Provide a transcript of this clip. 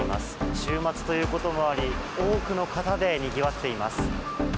週末ということもあり多くの方でにぎわっています。